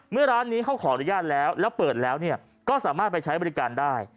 ร้านนี้เขาขออนุญาตแล้วแล้วเปิดแล้วก็สามารถไปใช้บริการได้